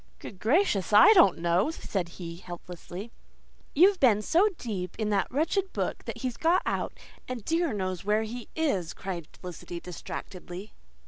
"Good gracious, I don't know," he said helplessly. "You've been so deep in that wretched book that he's got out, and dear knows where he is," cried Felicity distractedly.